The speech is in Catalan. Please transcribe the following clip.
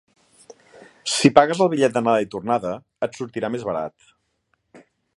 Si pagues el bitllet d'anada i tornada, et sortirà més barat.